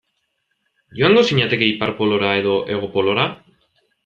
Joango zinateke Ipar Polora edo Hego Polora?